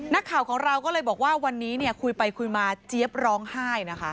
นักข่าวของเราก็เลยบอกว่าวันนี้เนี่ยคุยไปคุยมาเจี๊ยบร้องไห้นะคะ